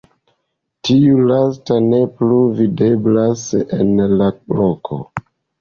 Tiu lasta ne plu videblas en la loko.